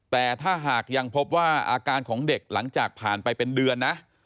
แต่ถ้าหากยังพบว่าอาการของเด็กหลังจากผ่านไปเป็นเดือนนะ